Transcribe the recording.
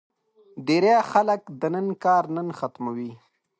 ډېری خلک د نن کار نن ختموي.